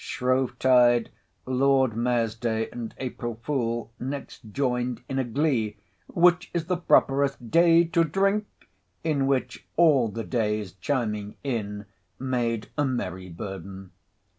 Shrove tide, Lord Mayor's Day, and April Fool, next joined in a glee— Which is the properest day to drink? in which all the Days chiming in, made a merry burden.